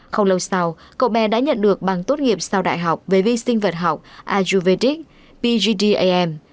không lâu sau cậu bé đã nhận được bằng tốt nghiệp sau đại học về vi sinh vật học ajuvec pgdam